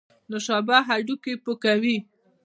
نوشابه هډوکي پوکوي